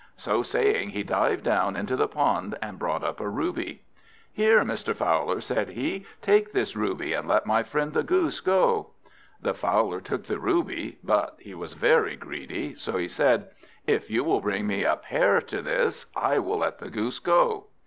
So saying, he dived down into the pond, and brought up a ruby. "Here, Mr. Fowler," said he, "take this ruby, and let my friend the Goose go." The Fowler took the ruby, but he was very greedy, so he said "If you will bring me a pair to this, I will let the Goose go."